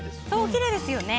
きれいですよね。